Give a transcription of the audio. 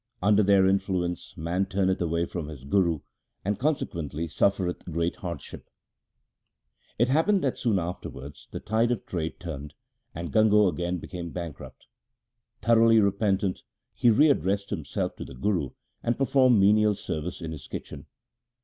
Under their influence man turneth away from his Guru, and consequently suffereth great hardship.' 1 2 n6 THE SIKH RELIGION It happened that soon afterwards the tide of trade turned and Gango again became bankrupt. Thoroughly repentant, he re addressed himself to the Guru, and performed menial service in his kitchen.